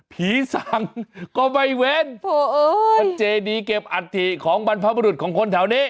สั่งก็ไม่เว้นมันเจดีเก็บอัฐิของบรรพบรุษของคนแถวนี้